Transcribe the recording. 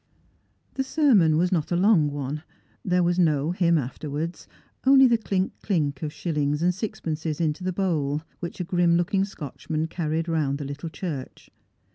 The sermon was not a long one. There was no hymn after wards, only the clink clink of shillings and sixpences into the bowl, which a grim looking Scotchman carried round the little church.